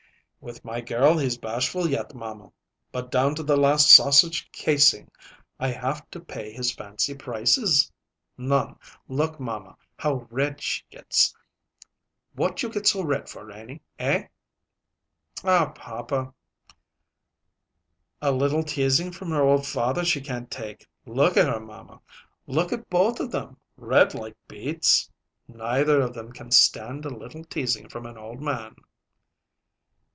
"With my girl he's bashful yet, mamma; but down to the last sausage casing I have to pay his fancy prices. Nun, look mamma, how red she gets! What you get so red for, Renie eh?" "Aw, papa!" "A little teasing from her old father she can't take. Look at her, mamma! Look at both of them red like beets. Neither of them can stand a little teasing from an old man."